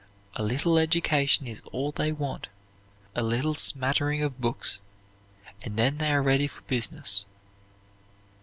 A little education is all they want, a little smattering of books, and then they are ready for business.